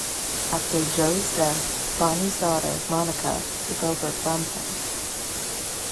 After Joe's death, Bonnie's daughter, Monica, took over from him.